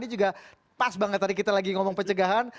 ini juga pas banget tadi kita lagi ngomong pencegahan